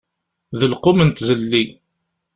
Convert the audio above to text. D lqum n tzelli.